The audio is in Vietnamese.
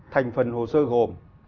thành phần hồ sơ gồm